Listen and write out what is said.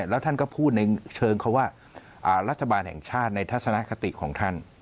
แล้วท่านก็พูดในเชิงเขาว่ารัฐบาลแห่งชาติในทัศนคติของท่าน